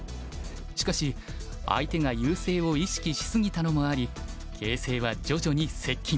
しかし相手が優勢を意識し過ぎたのもあり形勢は徐々に接近。